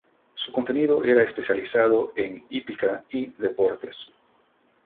Su contenido era especializado en hípica y deportes.